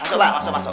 masuk pak masuk masuk